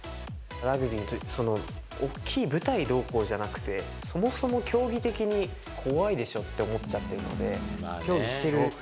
ラグビーは、大きい舞台どうこうじゃなくて、そもそも競技的に怖いでしょって思っちゃってるので。